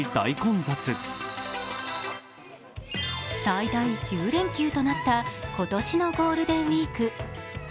最大１０連休となった今年のゴールデンウイーク。